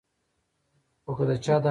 خو کۀ د چا دا خيال وي